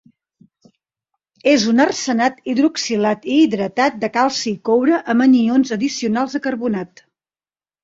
És un arsenat hidroxilat i hidratat de calci i coure amb anions addicionals de carbonat.